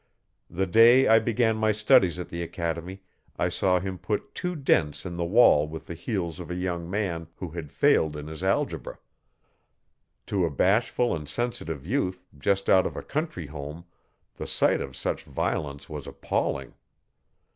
The day I began my studies at the Academy I saw him put two dents in the wall with the heels of a young man who had failed in his algebra. To a bashful and sensitive youth, just out of a country home, the sight of such violence was appalling.